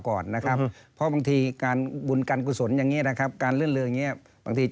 โขมรอยอย่างเงี้ยนะครับ